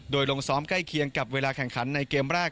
โดยลงซ้อมใกล้เคียงกับเวลาแข่งขันในเกมแรก